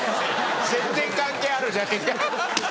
全然関係あるじゃねえか。